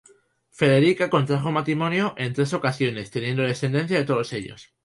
Federica contrajo matrimonio en tres ocasiones, teniendo descendencia de todos ellos.